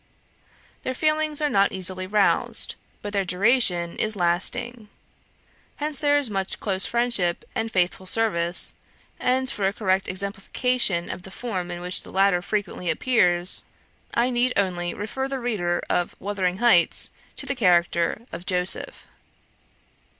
Their feelings are not easily roused, but their duration is lasting. Hence there is much close friendship and faithful service; and for a correct exemplification of the form in which the latter frequently appears, I need only refer the reader of "Wuthering Heights" to the character of "Joseph."